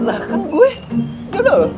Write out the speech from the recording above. lah kan gue jodoh